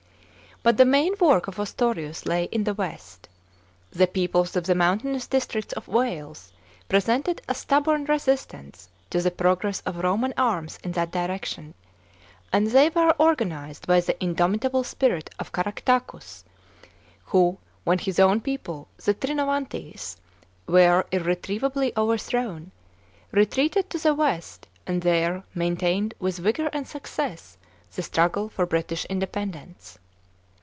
§ 7. But the main work of Ostorius lay in the west. The peoples of the mountainous districts of Wales presented a stubborn re sistance to the progress of Roman arms in that direction ; and they were organised by the indomitable spirit of Caractacus, who, when his own people, the Trinovantes, were irretiievably overthrown, retreated to the west and there maintained with vigour and success the struggle for British independence.